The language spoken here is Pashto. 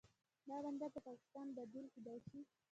دا بندر د پاکستان بدیل کیدی شي.